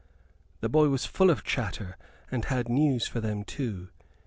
The boy was full of chatter, and had news for them, too.